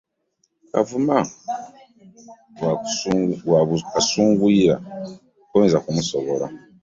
Kavuma wa kasunguyira toyinza kumusobola.